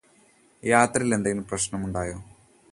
യാത്രയിൽ എന്തെങ്കിലും പ്രശ്നങ്ങളുണ്ടായോ